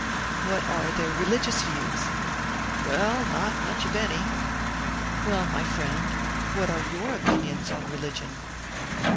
" What are their religious views?" "Well, not much of any." "Well, my friend, what are your own opinions on religion